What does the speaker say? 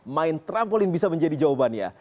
main trampolin bisa menjadi jawabannya